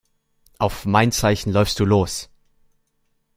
Auf mein Zeichen läufst du los.